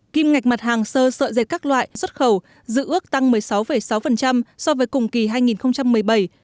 kim ngạch mặt hàng sơ sợi dệt các loại xuất khẩu dự ước tăng một mươi sáu sáu so với cùng kỳ hai nghìn một mươi bảy